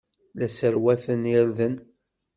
La sserwatent irden.